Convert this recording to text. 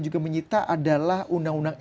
juga menyita adalah undang undang